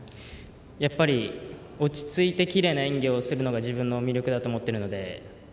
やっぱり、落ち着いてきれいな演技をするのが自分の魅力だと思っているので。